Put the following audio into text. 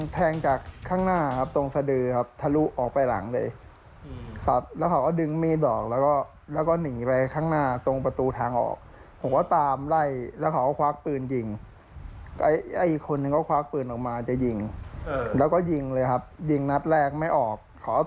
ส่วนความคืบหน้าคดีล่าสูตรพันธุ์ตำรวจเอกกิติศักดิ์เที่ยงกามล